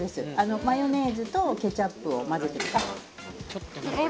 マヨネーズとケチャップを混ぜてあっ。